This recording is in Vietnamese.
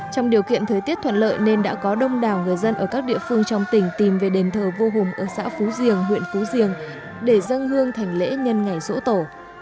trong điều kiện thời tiết thuận lợi nên đã có đông đảo người dân ở các địa phương trong tỉnh tìm về đền thờ vô hùng ở xã phú diềng huyện phú diềng để dân hương thành lễ nhân ngày sổ tổ